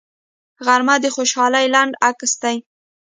غرمه د خوشحالۍ لنډ عکس دی